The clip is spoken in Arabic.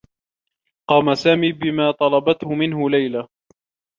قام سامي بما طلبته منه ليلى.